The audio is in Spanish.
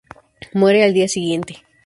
Muere al día siguiente.